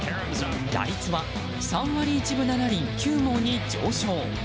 打率は３割１分７厘９毛に上昇。